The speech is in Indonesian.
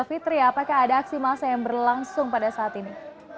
fitri apakah ada aksi massa yang berlangsung pada saat ini